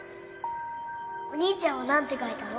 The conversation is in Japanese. お兄ちゃんはなんて書いたの？